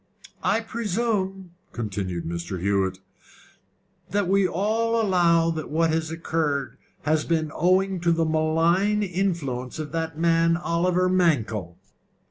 "I presume," continued Mr. Hewett, "that we all allow that what has occurred has been owing to the malign influence of the man Oliver Mankell?"